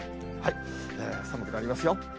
寒くなりますよ。